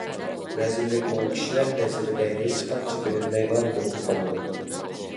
رەزىللىكمۇ كىشىلەر نەزىرىدە ھېچقانچە بىلىنمەيدىغان بولۇپ قالىدۇ.